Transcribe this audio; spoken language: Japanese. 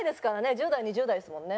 １０代２０代ですもんね。